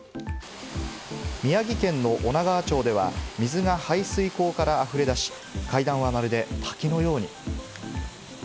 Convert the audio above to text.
宮城県の女川町では水が排水溝から溢れ出し、階段はまるで滝のように。